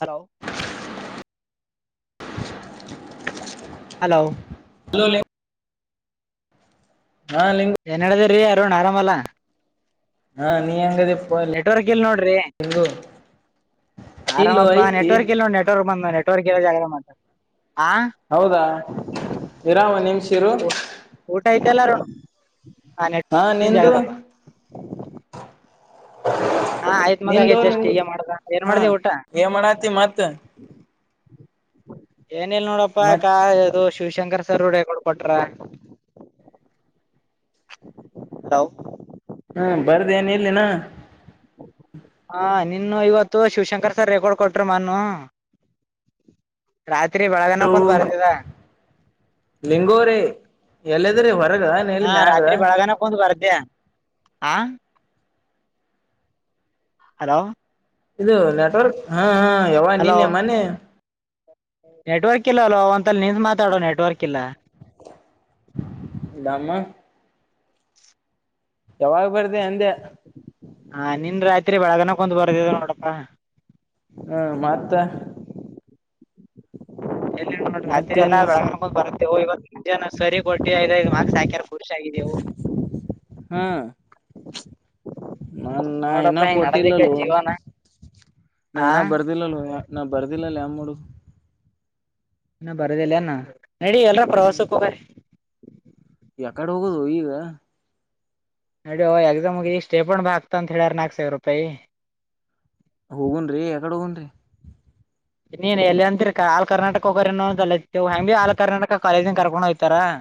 Hello. ಹೌದಾ hello ಹೇಳಿ. ಹೇಳಿ. ಏನ್ ಹೇಳಿದಿರಿೀ, ಯಾರೂಣ್ ಆರಾಮಲ್ಲಾ. ಹಾ ನೀ ಹೆಂಗದ ಯಪ್ಪಾ. ನೆಟ್ವರ್ಕ್ ಎಲ್, ನೋಡ್ರಿ ಇಲ್ಲೋ ಆರಾಮಪ್ಪಾ ಐತಿ ನೆಟ್ವರ್ಕ್, ಇಲ್ ನೋಡಿ ನೆಟ್ವರ್ಕ್, ಬಂದ ನೆಟ್ ಜಾಗರಣ ಮಾಡ್ತಾರೆ. ಹೌದಾ, ಇರಾಮ ನಿಮ್ಸಿರು. ಊಟ ಐತೆ ಎಲ್ಲಾರ, ಆ ಹಾ ನೆಟ್ಜ ನಿಂದು ಆಗತ್ತಪ್ಪ. ಹ. ಹಾ ಆಯ್ತ್ ಮಗ ಆಗ, ಜಸ್ಿ ಮಾಡ್ದ, ಏನ್ ಹಾ ಮಾಡ್ದವ ಊಟ. ಏನ್ ಮಾಡಾತಿ ಮತ್ ಏನ ಇಲ್ ನೋಡಪ್ಪಾ, ಮತ್ ಶಿವಶಂಕರ್ ಸರ್ುಡ ಕೊಡ್ ಕೊಟ್ರ. ಹ್ಮ ಬರದ ಏನ್ ಇಲ್ಲಿಿನ. ಹಾ. ನಿನ್ನು ಇವತ್ತು ಶಿವಶಂಕರ್ ಸರ್ ರೆಕಾರ್ಡ್ ಕೊಟ್ರ, ಮಾನು ರಾತ್ರಿ, ಬೆಳಗನ ಕುಂತ ಬರ್ತದ. ಲಿಂಗೋರಿ, ಎಲ್ಲದ್ರೆ ಹೊರಗ. ಎಲ್ಲಿ ಹಾ ಮ್ಯಾಗ ರಾತ್ರಿ ಬೆಳಗನ ಕುಂದು ಬರ್ದೇ, ಆ ಹಲೋ. ಇದು ನೆಟ್ವರ್ಕ್ ಹಾ ಹ ಎವ್ವ ನಿನ್ನೆ ಮನ್ನೆ. [inaudible] ಹ್ಮ ಹ್ಮ. [unintelligible] ನೆಟ್ವರ್ಕ್ ಇಲ್ಲ ಲೋ ಒಂತಲ್ಲಿ ನಿಂತ ಮಾತಾಡೋ ನೆಟ್ವರ್ಕ್ ಇಲ್ಲ. [inaudible] ನಮ್ಮ [inaudible] ಯಾವಾಗ ಬರ್ತಿ ಅಂದೆ. [inaudible] ಹಾ ನಿನ್ನ ರಾತ್ರಿ ಬೆಳಗನಕುಂತ ಬರ್ದಿದೆ ನೋಡಪ್ಪಾ. [inaudible] ಹ ಮತ್ತ. [inaudible] ರಾತ್ರಿ ಮತ್ತೇನ್ ಎಲ್ಲಾ ಬೆಳಗನಾ ಕುಂತ ಬರ್ತೇವು ಇವತ್ತ ನಿಂದ ಏನೂ ಸರಿ ಕೊಟ್ಟಿ ಐದ ಐದ ಮಾರ್ಕ್ಸ್ ಸಾಕ್ಯರ್. [inaudible] ಖುಷಿ ಆಗಿದೆವು. [inaudible] [inaudible] ಹಾ. [inaudible] [inaudible] ನನ್ನ ಇನ್ನ ನೋಡಪ್ಪ ಹಿಂಗೆ ಕೊಟ್ಟಿಲ್ಲ ನಡೆದಕ್ಕೆ ಅಲ್ಲೋ ಜೀವನ ನಾ ಇನ್ನ ಹಾಂ ಬರ್ದಿಲ್ಲ ಅಲ್ಲೋ. ನಾ ಬರ್ದಿಲ್ಲ ಅಲ್ಲ ಹೆಂಗ್ ಮಾಡೋದು. [inaudible] ಇನ್ನ ಬರದಿಲ್ಲ ಏನ್ ನಡಿ ಎಲರ ಪ್ರವಾಸಕ್ಕೆ ಹೋಗನ. [inaudible] ಎಕಡೆ ಹೋಗೋದು ಈಗ. [inaudible] ನಡಿಯೋ ಎಕ್ಸಾಮ್ ಗೆ ಈಗ ಸ್ಟೇಪನ ಬ್ಯಾಗ್ ಹಾಕತಾ ಅಂತ ಹೇಳ್ಯಾರ ನಾಲ್ಕ ಸಾವಿರ ರೂಪಾಯಿ. [inaudible] ಹೋಗನ್ರೀ ಎಕಡೆ ಹೋಗನ್ ರೀ. [inaudible] ಇನ್ ಏನ್ ಎಲ್ಲಿ ಅಂತಿರಿಕಾ ಆಲ್ ಕರ್ನಾಟಕ ಹೋಗೋರ ಏನು [inaudible] ಆಲ್ ಕರ್ನಾಟಕ ಕಾಲೇಜಿಂದ ಕರ್ಕೊಂಡು ಹೋಗ್ತಾರ. [inaudible]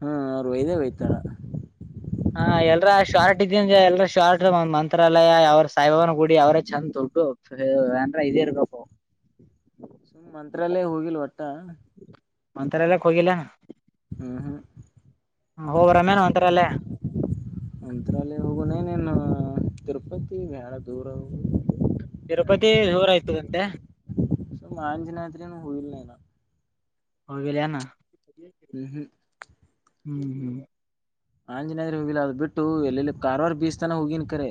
ಹ ಅವರ ಒಯದೇ ಒಯ್ತಾರ. [inaudible] ಹಾ ಎಲ್ಲರ ಶಾರ್ಟ ಇದೆ ಅಂದ್ರೆ ಎಲ್ರ ಶಾರ್ಟ ಮಂತ್ರಾಲಯ ಯಾವ್ರ ಸಾಯಿ ಬಾಬಾನ ಗುಡಿ ಅವ್ರ ಚೆಂದ ದೊಡ್ಡು. [inaudible] ಸರಿ ಗ್ರೈಂಡರ ಐದೇ ಇರಬೇಕು. [inaudible] ಸುಮ ಮಂತ್ರಾಲಯ ಹೋಗಿಲ್ಲ ಒಟ್ಟ. [inaudible] ಮಂತ್ರಾಲಯಕ್ ಹೋಗಿಲ್ಲ ಏನ್. [inaudible] ಹ್ಮ ಹ್ಮ. [inaudible] ಹೋಗ ಬರೋಣ ಏನ್ ಮಂತ್ರಾಲಯ. [inaudible] ಮಂತ್ರಾಲಯ ಹೋಗೋಣ ಏನ್ ಏನ್ ತಿರುಪತಿ ಬ್ಯಾಳ ದೂರ ಹೋಗ [inaudible] ತಿರುಪತಿ ದೂರಾಯಯ್ತದಂತೆ. [inaudible] [inaudible] ಸುಮ್ನ ಆಂಜನೇಯದ್ರಿಗೆ ಹೋಗಿಲ್ಲ ನಾ ಇನ್ನ. ಹೋಗಿಲ್ಲ ಏನ್. [inaudible] ಹ್ಮ್ ಹೂ. [inaudible] ಹ್ಮ್ ಹ್ಮ್. [unintelligible] ಆಂಜನಾದ್ರಿ ಹೋಗಿಲ್ಲ ಅದ್ ಬಿಟ್ಟು ಎಲ್ಲೆಲ್ಲಿ ಕಾರವಾರ ಬೀಚ್ ತನಾ ಹೋಗಿನ್ ಕರೆ.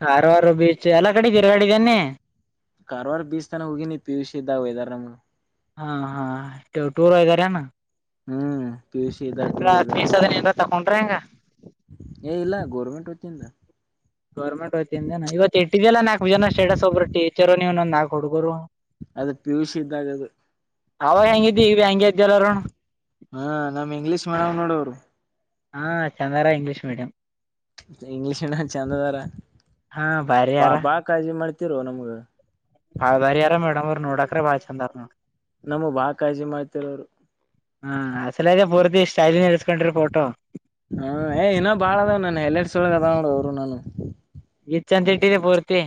ಕಾರವಾರ ಬೀಚ್ ಎಲ್ಲಾ ಕಡೆ ತಿರಗ್ಯಾಡಿದಿ ಏನ್ ನೀ. ಕಾರವಾರ ಬೀಚ್ ತನ ಹೋಗೀನಿ ಪಿಯುಸಿ ಇದಾಗ ವೈದಾರ್ ನಮನ. [inaudible] ಹಾ ಹಾ ಟು ಟೂರ್ ವೈದಿರಿ ಏನ್ ಹ್ಮ್ ಪಿ ಯು ಸಿ ಇದ್ದಾಗ [inaudible] ಟೂರ್ ಇಲ್ಲಾ ಒಯ್ದಾರ ತಿಳಿಸೋದೇನರ. [inaudible] ತೆಕ್ಕೊಂಡ್ರೆ. [inaudible] ಏ ಇಲ್ಲ ಗೋರ್ಮೆಂಟ್ ಒತ್ತಿಂದ. [inaudible] ಗೌರ್ಮೆಂಟ್ ಒತ್ತಿಯಿಂದ ನಾ ಇವತ್ ಇಟ್ಟಿದ್ಯಲ್ಲ ನಾಕ್ ಯುವನ ಸ್ಟೇಟಸ್ ಒಬ್ಬರು ಟೀಚರು ನೀವ ನೊಂದ ನಾಲ್ಕು ಹುಡಗುರು. ಅದು ಪಿ ಯು ಸಿ ಇದ್ದಾಗ ಅದು ಅವಾಗ ಹೆಂಗ ಇದ್ದಿ ಈಗು ಹೆಂಗೆ ಇದ್ದ್ಯಲ್ಲಾರಣ. [inaudible] ಹಾ ನಮ್ಮ ಇಂಗ್ಲೀಷ ಮೇಡಮ್ ನೋಡೋರು. [inaudible] ಹಾ ಚಂದಾರಾ ಇಂಗ್ಲೀಷ್ ಮೇಡಂ. ಇಂಗ್ಲಿಷ್ ಅಣ್ಣಾ ಚೆಂದ ಅದರಾ ಹಾ ಬಾರಿ ಯಾರ ಬಾಳ್ ಬಾಳ್ ಕಾಳಜಿ ಮಾಡ್ತಿರು ನಮಗ. ಆ ಬರಿಯಾರ ಮೇಡಂ ನೋಡತಾರ ಬಾಳ ಚಂದ ನೋಡ. ನಮ್ಮಗ ಬಾಳ್ ಕಾಳಜಿ ಮಾಡ್ತಿರೋರು. [inaudible] ಹಾ ಅದರಾಗೆ ಪೂರ್ತಿ ಸ್ಟೈಲ್ ನಿಲ್ಸ್ಕೊಂಡ್ರಿ ಫೋಟೋ. ಹಾ ಏ ಇನ್ನ ಬಾಳ ಅದ್ ನನ್ನ ಹೆಲ್ಲರಸ್ ಒಳಗ್ ಅದಾವ ನೋಡ ಅವ್ರು ನನ್ನುವ. ಗಚ್ ಅಂತ ಇಟ್ಟಿದಿದೆ ಪೂರ್ತಿ.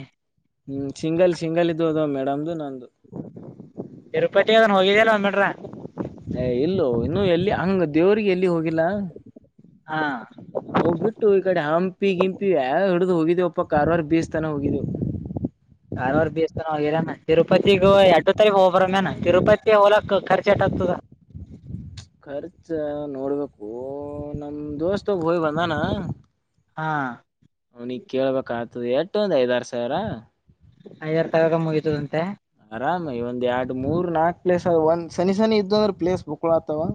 ಹ್ಮ್ ಸಿಂಗಲ್ ಸಿಂಗಲ್ ಇದು ಅದ ಮೇಡಮ್ದು ನಂದುು. ತಿರುಪತಿದನ್ ಹೋಗಿದಲ್ಲ ಬಂದ್ಬಿಟ್ರ. ಏ ಇಲ್ಲೂ ಇನ್ನುೂ ಎಲ್ಲಿ ಹಂಗ ದೇವ್ರಿಗೆ ಎಲ್ಲಿ ಹೋಗಿಲ್ಲ. ಹಾ. ಹವು್ ಬಿಟ್ಟು ಈ ಕಡೆ ಹಂಪಿ ಗಿಂಪಿ ಯಾವ ಹಿಡಿದು ಹೋಗಿದ್ದಿವವ ಒಪ್ಪ ಕಾರವಾರ ಬೀಸ್ತನ ಹೋಗಿದ್ದೇವು. ಕಾರಾರ್ವಾರ ಬೀಸ್ತಾನ ಹೋಗಿರಾನ ತಿರುಪತಿಗ ಎಟ ತರಿ ಹೋಗಬ್ರ ಮೇನ ತಿರುಪತಿ ಹೋಲಾಕ್ ಖರ್ಚು ಎಟಾಗಗ್ತದ. ಖರ್ಚ ನೋಡ್ಬೇಕು ನಮ ದೋಸ್ತೋಗ ಹೋಗಿ ಬಂದಾನ. ಹಾ. ಅವ್ನಿಗೆಗ್ ಕೇಳ್ಬೇಕ ಆತದೆ ಎಷ್ಟು ಒಂದ್ ಐದಾರು ಸಾವಿರ. ಐದಾರು ತಗಕ ಮುಗಿತದಂತೆ. ಆರಾಮ ಒಂದ್ರಡು ಮೂರ್ ನಾಲ್ಕ್ ಪ್ಲೇಸ್ ಅ ಒಂದ್ನ ಸನಿ ಇದ್ದ ಅಂದ್ರೆ ಪ್ಲೇಸ್ ಬುಕ್ಳ ಆತವ.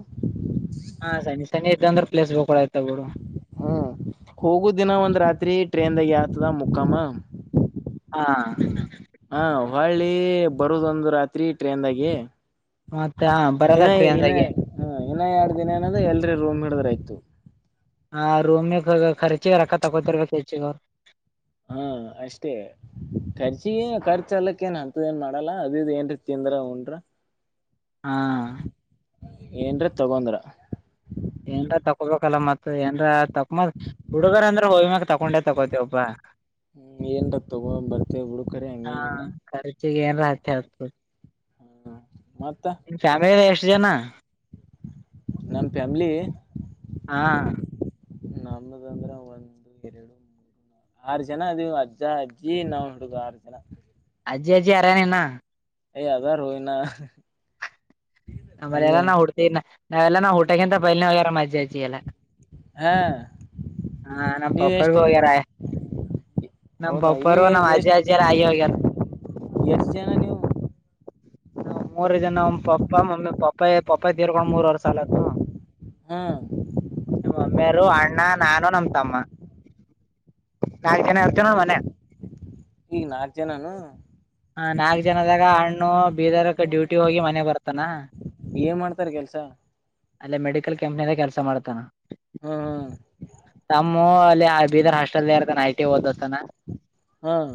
ಹಾ ಸನ ಸಿ ಇದ್ದ ಅ್ರ ಪ್ೇಸ್ಳ ಆ್ತ. ಹ್ಮ್ ಹೋಗುದ ದಿನ ಒಂದ್ ರಾತ್ರಿ ಟ್ರೇನ್ದಾಗ ಆತದ ಮುಕ್ಕಮ್ಮ. ಹಾ. ಹಾ ಹಳ್ಳಿ ಬರುದೊಂದು ರಾತ್ರಿ ಟ್ರೇನ್ದಾಗಿ. ಮತ್ತೆ ಬರದ ಟ್ರೇನ್ಾಗೆ. ಹ್ಮ ಇನ್ನ ಎರಡ್ ದಿನ ಏನದ ಎಲ್ರಿ ರೂಮ್ ಹಿಡ್ರ ಆ್ತು. ಹಾ ರೂಮ್ ಖರ್ಚ ರೊಕ್ಕ ತಗೋತರ್ಬೇಕು ಹೆಚ್ಚ ಅವರು. ಹಾ ಅಷ್ಟೇ. ಖರ್ಚಿ ಖರ್ಚು ಅಲ್ಲಕ್ಕ ಏನ್ ಅಂತದ ಏನ್ ಮಾಡಲ್ಲ ಅದುದು ಏನ್ ತಿಂದ್ರ ಉನ್್ರ. ಹಾ. ಏನ್ರ ತಗೊಂಡ್ರ. ಏನ್ರ ತಕೊಳ್ಬೇಕಲ್ಲ ಮತ್ತ ಏನ್ರ. ತಕಮ ಹುಡುಗರ್ ಅಂದ್ರೆ ಹೋಗಿ್ಮ್ಯಾಗಕ್ ತಕೊಂಡೆ ತಕೋತಿ ಒಬ್ಬ. ಹ್ಮ್ ಏನ್ರ ತಗೊ ಬರ್ತೇವ ಬಿಡು ಕರೆ ಹಾ ಹಂಗೇನಿಲ್ಲ ರ್ಚೆ ನ ರತ ಅು. ಹ್ಮ ಮತ್ತೆ. ಫ್ಯಾಮಿಲಿ ಎಷ್ಟು ಜನ. ನಮ್ಮ ಫ್ಯಾಮ್ಲಿ. ಹಾ. ನಮದ ಅಂದ್ರೆ ಒಂದು ಎರಡು. ಆರು ಜನ ಅದು ಅಜ್ಜ ಅಜ್ಜಿ ನಾ ಹುಡುಗ ಆರು ಜನ. ಅಜ್ಿಜ್ಜಿರಾನ್ಣ. ಯ ಅದ ರೋ ಇಿನ. ನಮ್ಮಲೆ ಎಲ್ಲ ನಾವ್ ಹುಡ್ತೀವಿ ನಾವೆಲ್ಲ ನಾ್ ಹಊಟಕ್ಕಿಂತ ಬೈಲ್ನ್ಯಾರ ಅಜ್ಜ್ಜಿ ಎಲ್ಲ. ಹಾ ಹಾ ನ ನ ನೀವ್ ಪಪ ಎಷ್ಟ್ ವರ. ನಮ್ ಹೌದಾ ನೀವ್ ಬಬರು ಎ~ ನಮ್ ಅಜ್ಜ ಅಜ್ಜಾರ ಅಯ್ಯಗ್ಯಾರ. ಎಷ್ಟು ಜನ ನೀವು. ಮೂರು ಜನ ಒಮ್ಮ್ ಪಪ್ಪ ಮಮ್ಮಿ ಪಪ್ಪ ಪಪ್ಪಾಯ ತೀರ್ಕೊಂಡ್ ಮೂರ್ವರ್ ಸಾಲತ್ತುು. ಹಾ. ನಮ್ಮ ಮೇರು ಅಣ್ಣ ನಾನ ನಮ್ಮ ತಮ್ಮ. ನಾಕ್ ಚ ಜನ ಇರ್ತೇ ನೋ ಮನೆ. ಈಗ ನಾಲ್ಕು ಜನನು. ಹ ನಾಲ್ಕು ಜನದಾಗ ಹಣ್ಣು ಬೀದರ್ಕ್ಕೆ ಡ್ಯೂಟಿ ಹೋಗಿ ಮನೆ ಬರ್ತಾನ. ಏನ್ ಮಾಡ್ತಾರ ಕೆಲ್ಸ. ಅಲ್ಲೇ ಮೆಡಿಕಲ್ ಕ್ಯಾಂಪ್ನಿಂದ ಕೆಲಸ ಮಾಡ್ತಾನ ಹ್ಮ್ ಮೊ ಅಲ್ಲಿ ಬಿದರ್ ಹಾಸ್ಟೆಲ್ ಇರ್ತಾನ ಐ ಟಿ ಓದುತಾನ ಹ್ಮ್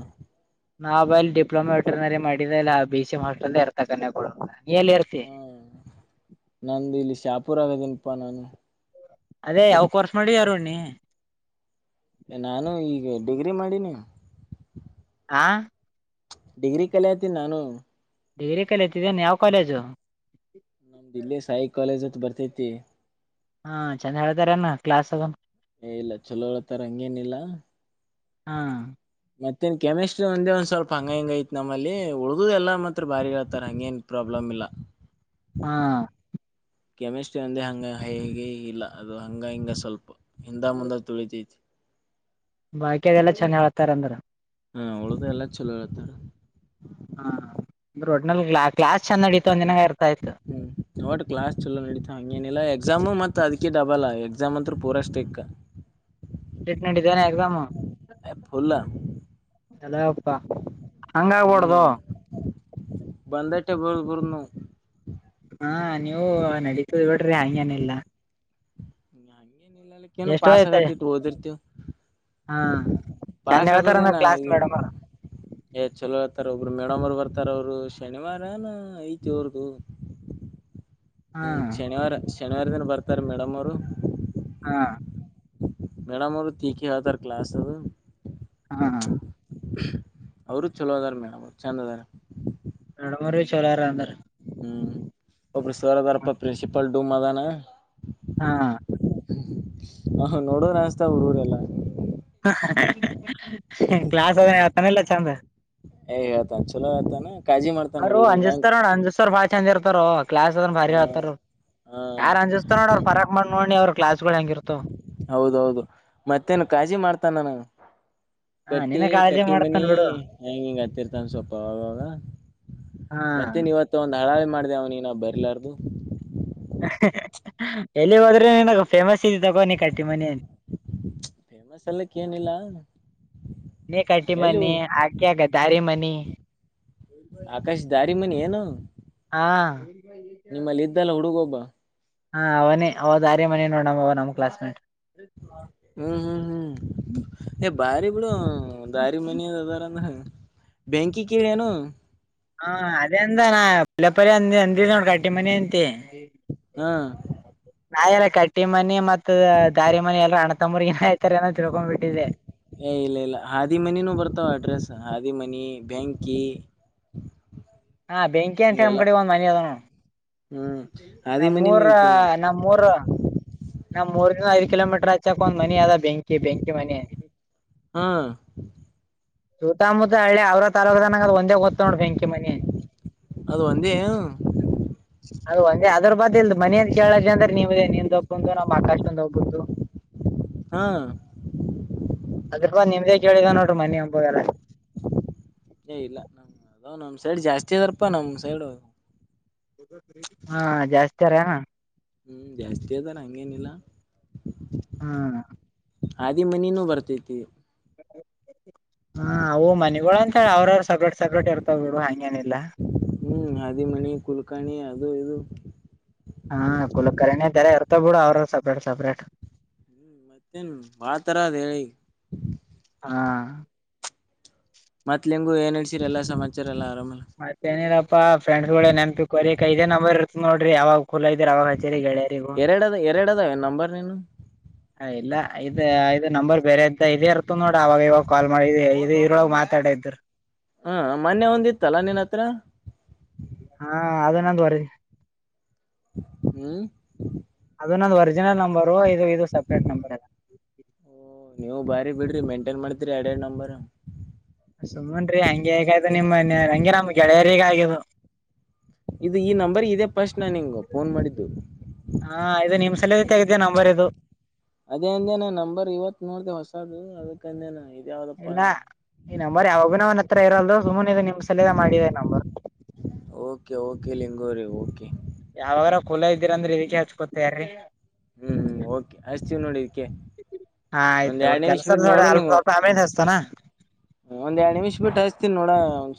ನಾವ ಅಲ್ಲಿ ಡಿಪ್ಲೊಮಾ ಮಟರ್ನರಿ ಮಾಡಿದ ಇಲ್ಲ ಬಿ ಸಿ ಮಾಸ್ಟಲ್ ಇರ್ತ ಕನ್ಯ [unintelligible] ನೀ ಎರ್ತ ಹ್ಮ ನಂದ್ ಇಲ್ಲಿ ಶಾಪುರ ಆಗದಿನಪ್ಪಾ ನಾನು ಅದೇ ಯಾವ್ ಕೋರ್ಸ್ ಮಾಡಿ ಯಾರುಣ್ಣಿ ನಾನು ಈಗ ಡಿಗ್ರಿ ಮಾಡೀನಿ ಹಾ ಡಿಗ್ರಿ ಕಲಿಯತಿ ನಾನು ಡಿಗ್ರಿ ಕಲಿತಿದ್ದೇನೆ ಯಾವ್ ಕಾಲೇಜು ಇಲ್ಲಿ ಸಾಯಿ ಕಾಲೇಜ್ [unintelligible] ಹೊತ್ ಬರ್ತೈತಿ ಹಾ ಚನಗಿದರೆನ ಕ್ಲಾಸ್ ಏ ಇಲ್ಲ ಚಲೋ ಹೊತರ ಹಂಗೇನಿಲ್ಲ ಹಾ ಮತ್ತೇನ್ ಕೆಮಿಸ್ಟ್ರಿ ಒಂದೇ ಒಂದ್ ಸ್ವಲ್ಪ ಹಂಗ ಹಿಂಗ ಐತ್ ನಮ್ಮಲ್ಲಿ ಉಳ್ದು ಎಲ್ಲ ಮಾತ್ರ ಬಾರಿ ಹೇಳ್ತಾರ ಹಂಗೇನ್ ಪ್ರಾಬ್ಲ್ ಮ್ ಇಲ್ಲ ಹಾ ಕೆಮಿಸ್ಟ್ರಿ ಒಂದೆ ಹಂಗ ಹೇಗೆ ಇಲ್ಲ ಅದು ಹಂಗ ಹಿಂಗ ಸ್ವಲ್ಪ ಹಿಂದ ಮುಂದ ತುಳಿತೈತಿ ಬಾಕಿ ಅದೆಲ್ಲ ಚನ್ನ ಹೇಳ್ತಾರ ಅಂದ್ರ ಹಾ ಅವಳ್ದ ಎಲ್ಲ ಚಲೋ ಹೇಳ್ತಾರ ಹಾ ಅಂದ್ರೆ ಒಟ್ನಲ್ಲಿ ಕ್ಲಾಸ್ ಚಂದ [unintelligible] ಅಡತ ಒಂದ ದಿನ ಇರ್ತಾಯ್ತು ಹ್ಮ ಒಟ್ ಕ್ಲಾಸ್ ಚಲೋ ನಡಿತಾ ಹಂಗೇನಿಲ್ಲ ಎಕ್ಸಾಮು ಮತ್ ಅದಕ ಡಬಲ್ ಅಲ್ಲ ಎಕ್ಸಾಮ್ ಅಂತ್ರ್ ಪೂರಾ ಸ್ಟಿಕ್ [unintelligible] ಟ್ರೀಟ್ಮೆಂಟ್ [unintelligible] ಇದೇನೆ ಎಕ್ಸಾಮ್ ಎ ಫುಲ್ [unintelligible] ಎಲಪ್ಪ ಹಂಗ ಆಗ್ಬೋಡ್ದ ಬಂದೈತೆ ಬು [unintelligible] ನಾವು ಹಾ ನೀವು ನಡೀತದ ನೋಡ್ರಿ ಹಂಗೇನಿಲ್ಲಾ ಹಂಗೇನಿಲ್ಲ [unintelligible] ಇಲ್ಲಕ್ಕಏನು [unintelligible] ಎಷ್ಟೋ ಪಾಸ ಐತೆ ಕಟ್ಟಿಟ್ಟು ಓದಿರ್ತಿವು ಹಾ ಚಂದ ಪಾಸ್ ಹೇಳ್ತಾರಂದ್ರ ಆಗೋದೇನಾ ಕ್ಲಾಸ್ ಇದು ಮೇಡಮ್ ಅವ್ರ. ಏ ಚಲೋ ಹೇತಾರ ಒಬ್ರು ಮೇಡಮ್ ಅವರು ಬರ್ತಾರ ಅವರು ಶನಿವಾರಾನ ಐತಿವ್ರಗು ಹಾ ಹ್ಮ್ ಶನಿವಾರ ಶನಿವಾರ ದಿನ ಬರ್ತಾರ ಮೇಡಮ್ ಅವ್ರು ಹಾ ಮೇಡಮ್ ಅವರು ತಿಕಿ ಹತಾರ ಕ್ಲಾಸ್ ಅದು ಹಾ ಹಾ ಅವರು ಚಲೋ ಅದಾರ ಮೇಡಮ್ ಚೆಂದ್ ಅದಾರ ಎರಡಮರು ಚಲೋರ ಅಂದರ ಹ್ಮ್ ಒಬ್ ಸರ್ ಇದರಪ್ಪ ಪ್ರಿನ್ಸಿಪಾಲ್ ಡುಮ್ ಅದಾನ ಹಾ ಹ ನೋಡೋಣಸ್ತಾ [unintelligible] ಹುಡ್ಡು ಎಲ್ಲ ಕ್ಲಾಸ್ ಅದ ಯಾವತಾನ ಇಲ್ಲ ಚಂದ ಏ ಹೇಳ್ತಾನ ಚಲೋ ಆತಾನ ಕಾಜಿ ಮಾಡತನ್ ಹುಡುಗ್ರರಿ ನನ್ [unintelligible] ಚುಸ್ಾರ ನ [unintelligible] ಅನ್ಚುಸ್ಾರ ಬಾರಿ ಚಂದ ತೇರ್ತಾರ ಕ್ಲಸ್ ಅದ ಭಾರಿ ಹಾ ಆತಾರ ಹಾ ಯಾರ್ ಅಂಜಿಸ್ತ ನೋಡ ಅವ್ರ ಪರಕ್ ಮಾಡ್ ನೋಡಿ ಅವ್ರ ಕ್ಲಾಸ್ಗಳು ಹೆಂಗಿರ್ತವ ಹೌದೌದು ಮತ್ತೇನು ಕಾಜಿ ಮಾಡ್ತಾನ ನಾನು ಹ ಗಟ್ಟಿ ನಿನ್ನ ಕಾಳಜಿ ಕಟ್ಟಿ ಮನಿ ಮಾಡ್ತನ್ ಬಿಡು ಹೆಂಗ ಹಿಂಗ [unintelligible] ಹತ್ತರ್ತನ್ [unintelligible] ಸ್ೊಪ ಅವಾಗವಾಗ ಹಾ ಮತ್ತೆ ನೀವತ್ತ ಒಂದು ಹಳಾವವೆ ಮಾಡಿದೆ ಅವ್ನ ನೀ ಬರ್ಲಾರ್ದು ಎಲ್ಲಿ ಹೋದ್ರೆನ್ ಫೇಮಸ್ ಇದ ತಗೋ ನೀಿ ಕಟ್ಟಿ ಮನ ಫೇಮಸ್ ಅಲ್ಲಕ್ಕ ಏನಿಲ್ಲ ಎಲ್ಲಿ [inaudible] ಹಾಗ ದಾರಿ ಮನಿ ಆಕಾಶ್ ದಾರಿ ಮನೆಿ ಏನು ಹಾ ನಿಮ್ಮಲ್ಲಿ ಇದ್ದಲ್ಲ ಹುಡುಗ ಒಬ್ಬ ಹಾ ಅವನೇ ಅವ್ ಆರ್ಯ ಮನೆಿ ನೋಡಮ ಅವ ನಮ್ಮ ಕ್ಲಾಸ್ ಮೇಟ್ ಹ್ಮ್ ಹ್ಮ್ ಹ್ಮ್ ಬಾರಿ ಬಿಡ [inaudible] ಹ ದಾರಿ ಮನಿದ ಅದಾರ ಅಂದ್ರ ಬ್ಯಾಂಕಿೇಳ ಏನು [inaudible] ಹಾ ಅದಂದ ನಾ ಪಲ್ಲಪರಿ ಅಂದ ಅಂದ ನೋಡ್ ಕಟ್ಟಿ ಮನ ಎಂತೆಿ ಹಾ ನಾ ಎಲ್ಲ ಕಟ್ಟಿ ಮನೆ ಮತ್ ದಾರಿ ಮನ ಎಲ್ಲ ಅಣ್ಣ ತಮ್ಮ್ರ ಏನಾಯ್ತಾರೆ ಏನೋ ತಿಳ್ಕೊಂಡ್ ಬಿಿಟ್ಟಿದ್ದೆ ಏ ಇಲ್ಲ ಇಲ್ಲ ಹಾದಿಮನಿನೂ ಬರ್ತಾವ ಅಡ್ರೆಸ್ ಹಿಮನಿ ಬೆ್ಯಾಂಕಿ [inaudible] [inaudible] ಹಾ ಬೆಂಕಿ ಅಂತ ನಮ್ಮ ಹಿಂಗೆಲ್ಲ ಕಡೆ ಒಂದ್ ಮನೆ ಅದನು ಹ್ಮ್ ಹಾದಿ ಮನಿನೂ ನಮ್ಮೂರ ಐತಿ ನನ್ ನಮ್ಮೂರ್ [inaudible] ನಾ್ ಮೂರ್ದ ಐದ ಕಿಲೋಮೀಟರ್ ಹಚ್ಚಕಕ್ ಒಂದ ಮನಿ ಅದ ಬೆಂಿ ಬೆಂಕಿ ಮನ ಅ ಹಾ [inaudible] ಸೂತಮುತ್ತತ ಹಳ್ಳಿ ಅವ್ರ ತಾಲೂಕುನ ಒಂದೇಓದ್ ನೋಡ್ ಬೆಂಕಿ ಮಿ ಅದು ಒಂದೇ ಅದು ಒಂದೇ ಅದ್ರ ಬದ ಇಲ್ ಮನೇ ಕೇಳಜ್ ಅಂದ್ರೆ ನೀವು್ದೇ ನಿ [inaudible] ಂದು ನಮ್ಮ್ ಆಕಾ್ ಒಂದು ಹೋಗಬದು ಹಾ ಅದ್ರ ಬಾ ನಿಮ್ದೇ ಕೇಳಿದಾವ ನೋಡ್ರ ಮಿ ಅಂಬಲ್ಲ ಏ ಇಲ್ಲ ನಮ ಅದ ನಮ್ ಸೈಡ್ ಜಾಸ್ತಿ ಅದಪ್ಪಾ ನಮ್ ಸೈಡ್ [inaudible] ಹಾ ಜಾಸ್ತಿಾರ ಹ್ಮ್ ಜಾಸ್ತಿ ಅದಾರ ಹಂಗೇನಿಲ್ಲ ಹ್ಮ [inaudible] ಆದಿಮನಿನೂ ಬರ್ತೈತಿ ಹಾ ಅವು ಮನೆಗಳು ಅಂತ ಅವ್ರವರು ಸಪ್ರೇಟ್ ಸಪ್ರೇಟ್ ಇರ್ತಾವ ಬಿಡು ಹಂಗೇಏನಿಲ್ಲ ಹ್ಮ್ ಆದಾದಿಮನಿ ಕುಲ್ಕಾಣಿ ಅದು ಇದು [inaudible] ಹಾ ಕುಲಕರಿನ ತೆರೆ ಇರ್ತ ಬಿಡ ಅವರು ಸಪ್ರೇಟ್ ಸಪ್ರೇಟ್ ಸತ್ಯನ್ ಬಾತರ ಅದ್ ಹೇಳಿ [inaudible] ಹಾ ಮತ್ಲಿಂಗು ಏನ್ ಹೇಳ್ಸಿರಿ ಎಲ್ಲ ಸಮಾಚಾರ ಎಲ್ಲ ಆರಾಮಲ್ಲ ಮತ್ತೇನರಾ ಫ್ರೆಂಡ್ಸ್ಗಳ ನೆನಪಿ ಕೊರಿಕ್ೈ ಇದೇ ನಂಬರ್ ಇರುತ್ತ ನೋಡ್ರಿ ಯಾಗ ುಲಐ ರ ಕಚರಿ ಗಗೆಳರಿಗು [inaudible] ಎರ ಎರಡು ಅದ ನಂಬರ್ ನು [inaudible] ಹ ಇಲ್ಲ ಇ ಇದು ನಂಬರ್ ಬೇರೆ ಇದ್ದ ಇದೇ ಇರ್ತ ನೋಡ ಅವವಾಗ ಇವಾಗ ಕಾಲ್ ಮಾಡಿ ಇದ ಇರೊಳಗ್ ಮಾತಾಡ ಇದಿದ್ರರು ಹ್ಮ ಮೊನ್ನೆ ಒಂದಿತ್ತಲ್ಲಾ ನಿನ್ ಹತ್ರ ಹಾ ಅದನದ್ುವರಿ ಹ್ಮ್ [inaudible] ಅದು ನಂದು ಒರಿಜಿನಲ್ ನಂಬರ್ ಇದು ಇದು ಸಪ್ರೇಟ್ ನಂಬರ್ ಇದೆ ಓ ನೀವು ಬಾರಿ ಬಿಡ್ರಿ ಮೇಂಟೇನ್ ಮಾಡ್ತೀರಿ ಎರಡ್ ಎರಡ್ ನಂಬರ್ ಸುಮ್ಮನ್ರಿ ಹಂಗೆಯಾಗದು ನಿಮ್ಮ ಮನೆ ಹಂಗೆ ನಮ್ ಗೆಳೆಯರಿಗೆ ಆಗದು ಇದು ಈ ನಂಬರ್ ಇದೆ ಫಸ್ಟ್ ನಾನು ನಿಂಗ ಫೋನ್ ಮಾಡಿದ್ದು ಹಾ ಇದು ನಿಮ್ ಸಲ ತೆಗಿದ ನಂಬರ್ ಇದು ಅದೇ ಅಂದೇನ ನಂಬರ್ ಇವತ್ ನೋಡ್ದ ಹೊಸದು ಅದಕ್ಕ ಅಂದೇನ ಇದ ಯಾವ್ದಪ್ಪ ಇಲ್ಲ ಅಂತ ಈ ನಂಬರ್ ಯಾವಾಗ ಭ ಅವ್ನ್ ಹತ್ರರಲ್ದು ಸುಮ್ನೆ ಇ ನಿಮ್ ಸಲದ ಮಾಡಿದೆ ನಂಬರ್ ಓಕೆ ಓಕೆ ಲಿಂಗೋರಿ ಓಕೆ ಯಾವಾಗ್ರ ಕುಲ ಇದ್ದೀರಂದ್ರೆ ಇದಕ್ಕೆ ಹಚ್ಕೊತ ರಿ ಹ್ಮ್ ಹ್ಮ್ ಓಕೆ ಅಚ್ಚಿತಿವಿ ನೋಡಿ ಇದಕ್ಕೆ ಹಾ ಆಯ್ತ ಒಂದ್ ಅವ್ರ ಎರಡ್ ನಿಮಿಷ ಬಿಟ್ಟು ಕೆಲ್ಸದೋ ಅಲ್ಪ ಸ್ಲ್ಪ ಆಮೇದಸ್ತಾನ ಒಂದ ಎರಡ್ ನಿಮಿಷ ಬಿಟ್ಟು ಹಚ್ತನ ನೋಡ ಒ